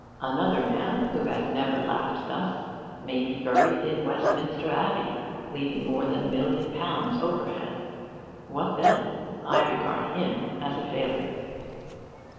Another man, who has never laughed thus, may be buried in Westminster Abbey, leaving more than a million pounds overhead. What then? I regard him as a failure.